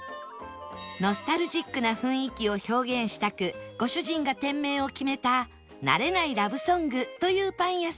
ノスタルジックな雰囲気を表現したくご主人が店名を決めた慣れないラブソングというパン屋さん